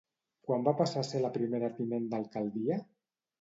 Quan va passar a ser la primera tinent d'alcaldia?